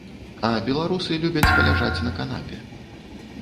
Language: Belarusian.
А беларусы любяць паляжаць на канапе.